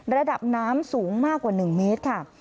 ระดับน้ำสูงมากกว่า๑เมตรค่ะ